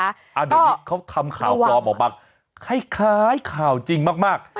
เดี๋ยวนี้เขาทำข่าวปลอมออกมาคล้ายข่าวจริงมาก